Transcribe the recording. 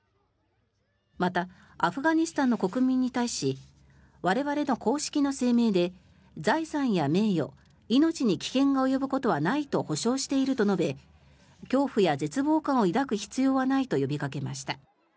また、アフガニスタンの国民に対し我々の公式な声明で財産や名誉命に危険が及ぶことはないと保証していると述べ恐怖や絶望感を抱く必要はないと呼びかけました。